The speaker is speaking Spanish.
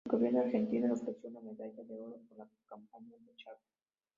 El gobierno argentino le ofreció una medalla de oro por la campaña al Chaco.